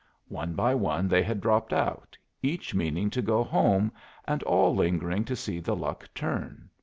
One by one they had dropped out, each meaning to go home, and all lingering to see the luck turn.